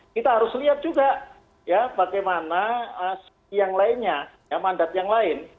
kita harus lihat juga ya bagaimana yang lainnya ya mandat yang lain